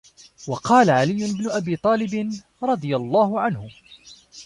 وَقَالَ عَلِيُّ بْنُ أَبِي طَالِبٍ رَضِيَ اللَّهُ عَنْهُ